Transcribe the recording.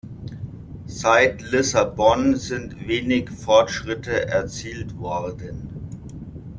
Seit Lissabon sind wenig Fortschritte erzielt worden.